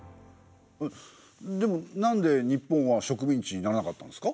でもなんで日本は植民地にならなかったんですか？